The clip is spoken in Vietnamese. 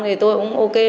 thì tôi cũng ok